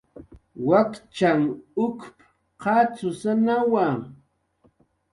"Wakchanh ukp"" qatzusanawa"